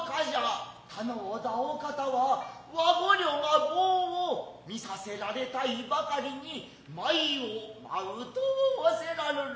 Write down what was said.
頼うだお方は和御寮が棒を見させられたいばかりに舞を舞うと仰せらるる。